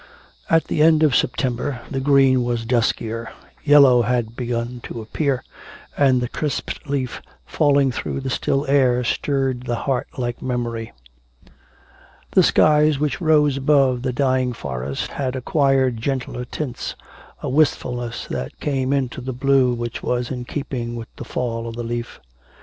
At the end of September the green was duskier, yellow had begun to appear; and the crisped leaf falling through the still air stirred the heart like a memory. The skies which rose above the dying forest had acquired gentler tints, a wistfulness had come into the blue which was in keeping with the fall of the leaf.